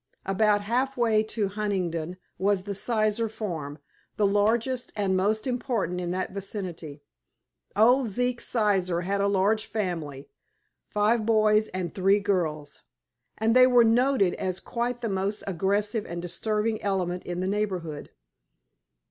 About halfway to Huntingdon was the Sizer Farm, the largest and most important in that vicinity. Old Zeke Sizer had a large family five boys and three girls and they were noted as quite the most aggressive and disturbing element in the neighborhood.